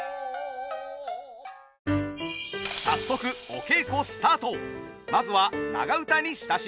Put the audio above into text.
早速お稽古スタート。